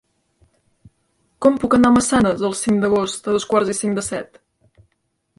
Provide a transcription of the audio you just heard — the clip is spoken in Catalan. Com puc anar a Massanes el cinc d'agost a dos quarts i cinc de set?